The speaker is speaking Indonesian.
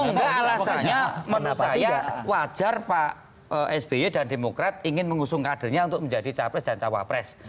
enggak alasannya menurut saya wajar pak sby dan demokrat ingin mengusung kadernya untuk menjadi capres dan cawapres